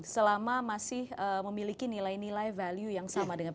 selama masih memiliki nilai nilai value yang sama dengan